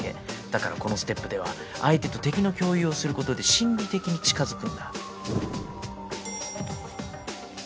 だからこのステップでは相手と敵の共有をすることで心理的に近づくんだ。